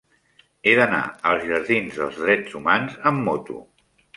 He d'anar als jardins dels Drets Humans amb moto.